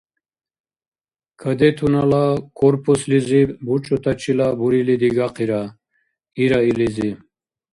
– Кадетунала корпуслизиб бучӀутачила бурили дигахъира, – ира илизи.